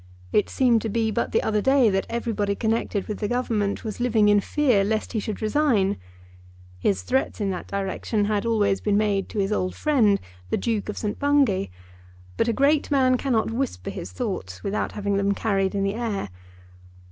It seemed to be but the other day that everybody connected with the Government was living in fear lest he should resign. His threats in that direction had always been made to his old friend the Duke of St. Bungay; but a great man cannot whisper his thoughts without having them carried in the air.